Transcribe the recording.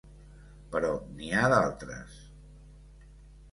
Però n'hi ha d'altres.